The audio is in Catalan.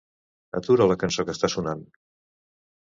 Atura la cançó que està sonant.